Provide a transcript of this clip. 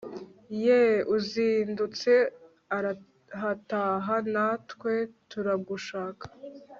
yeee uzindutse arahataha natwe turagushaka